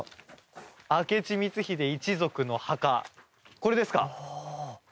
これですか？